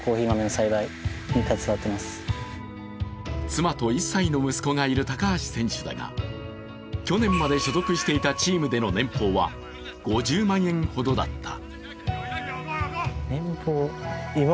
妻と１歳の息子がいる高橋選手だが去年まで所属していたチームでの年俸は５０万円ほどだった。